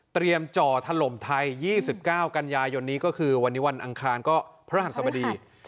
จ่อถล่มไทย๒๙กันยายนนี้ก็คือวันนี้วันอังคารก็พระหัสสบดี